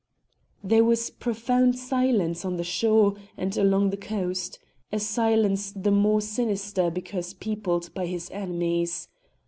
There was profound silence on the shore and all along the coast a silence the more sinister because peopled by his enemies.